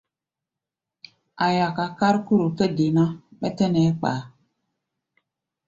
A̧ yaka kárkór tɛ́ de ná, mɛ́ tɛ́ nɛɛ́ kpa a.